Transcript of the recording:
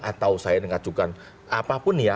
atau saya mengajukan apapun ya